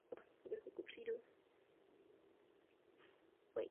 Odkaz na oblíbený film Hunger Games.